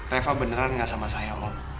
reva beneran gak sama saya